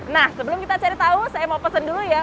nah sebelum kita cari tahu saya mau pesen dulu ya